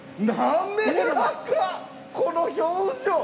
この表情！